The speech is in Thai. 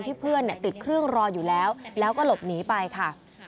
เพื่อนติดเครื่องรออยู่แล้วแล้วก็หลบหนีไปค่ะ